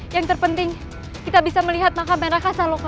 yang terpenting kita bisa melihat makam raka saloka